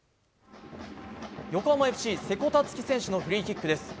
横浜ＦＣ瀬古樹選手のフリーキックです。